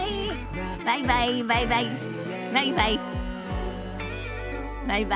バイバイ。